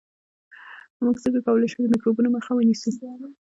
موږ څنګه کولای شو د میکروبونو مخه ونیسو